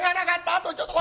あとちょっと。